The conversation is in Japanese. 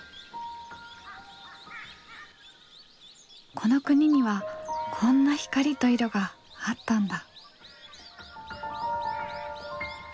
この国にはこんな光と色があったんだ。